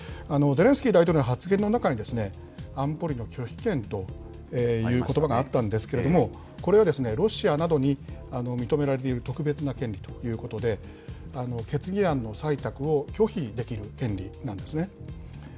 ゼレンスキー大統領の発言の中に、安保理の拒否権ということばがあったんですけれども、これはロシアなどに認められている特別な権利ということで、決議案の採択を拒否できる権利なんですね。